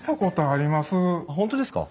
あっ本当ですか？